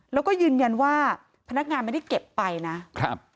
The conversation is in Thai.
แล้วก็ยืนยันว่าพนักงานไม่ได้เก็บไปนะครับ